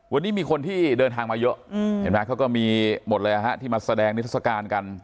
วันนี้มีคนที่เดินทางมาเยอะเห็นไหมเขาก็มีหมดเลยที่มาแสดงนิทัศกาลกัน